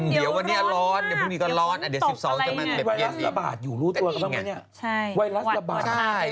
หวัดปลอดภัย